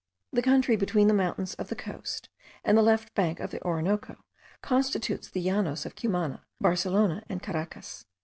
The country between the mountains of the coast and the left bank of the Orinoco, constitutes the llanos of Cumana, Barcelona, and Caracas.)